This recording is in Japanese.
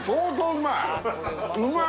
うまい！